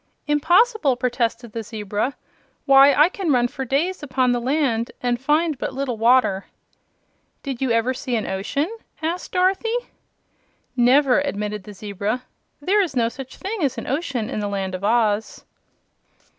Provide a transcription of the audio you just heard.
"Impossible!" protested the zebra. "Why, I can run for days upon the land, and find but little water." "Did you ever see an ocean?" asked Dorothy. "Never," admitted the zebra. "There is no such thing as an ocean in the Land of Oz."